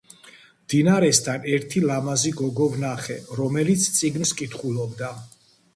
მდინარესთან ერთი ლამაზი გოგო ვნახე რომელიც წიგნს კითხულობდა